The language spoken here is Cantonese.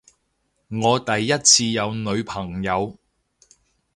我第一次有女朋友